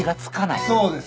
そうです。